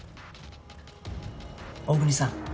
大國さん。